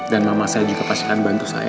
dan mama saya juga pasti akan bantu saya